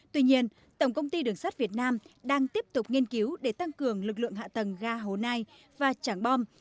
tuy nhiên tổng công ty đường sắt việt nam đang tiếp tục nghiên cứu để tăng cường lực lượng hạ tầng ga hồ nai và trảng bom